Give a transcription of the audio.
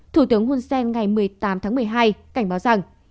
thủ tướng hun sen ngày một mươi tám tháng một mươi hai cảnh báo rằng